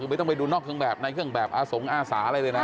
ไม่ต้องไปดูนอกเครื่องแบบในเครื่องแบบอาสงอาสาอะไรเลยนะ